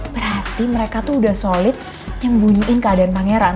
berarti mereka tuh udah solid yang bunyiin keadaan pangeran